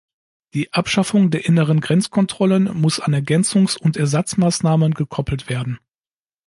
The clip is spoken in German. Die Abschaffung der inneren Grenzkontrollen muss an Ergänzungs- und Ersatzmaßnahmen gekoppelt werden.